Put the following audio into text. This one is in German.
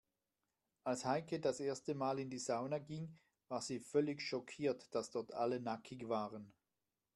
Als Heike das erste Mal in die Sauna ging, war sie völlig schockiert, dass dort alle nackig waren.